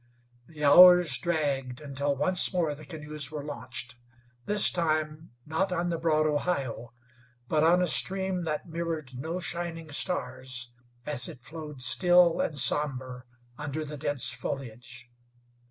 The hours dragged until once more the canoes were launched, this time not on the broad Ohio, but on a stream that mirrored no shining stars as it flowed still and somber under the dense foliage.